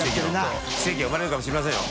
飯尾）奇跡が生まれるかもしれませんよ。